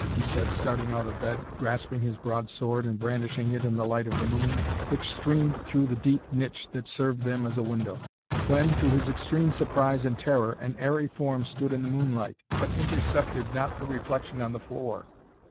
he said, starting out of bed, grasping his broadsword, and brandishing it in the light of the moon, which streamed through the deep niche that served them as a window; when, to his extreme surprise and terror, an airy form stood in the moonlight, but intercepted not the reflection on the floor.